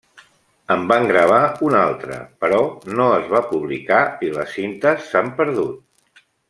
En van gravar un altre, però no es va publicar i les cintes s'han perdut.